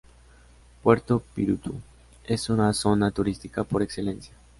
Puerto Píritu es una zona turística por excelencia.